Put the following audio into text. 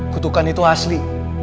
kutukan itu asli